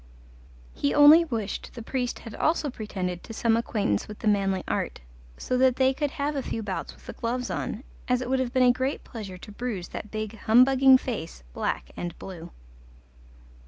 He only wished the priest had also pretended to some acquaintance with the manly art, so that they could have a few bouts with the gloves on, as it would have been a great pleasure to bruise that big humbugging face black and blue.